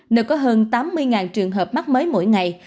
nơi có hơn tám mươi trường hợp mắc mới mỗi ngày